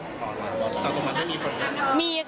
สำหรับมันได้มีคนไหม